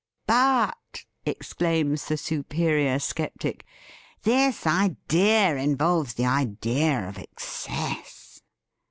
"But," exclaims the superior sceptic, "this idea involves the idea of excess!"